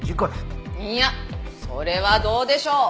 いやそれはどうでしょう？